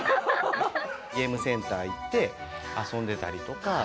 ゲームセンター行って遊んでたりとか。